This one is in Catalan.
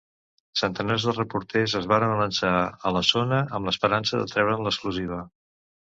Centenars de reporters es van abalançar a la zona amb l'esperança de treure'n l'exclusiva.